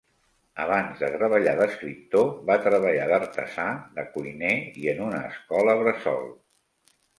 Abans de treballar d'escriptor va treballar d'artesà, de cuiner, i en una escola bressol.